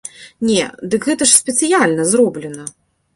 Не, дык гэта ж спецыяльна зроблена!